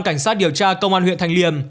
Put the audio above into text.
cảnh sát điều tra công an huyện thành liêm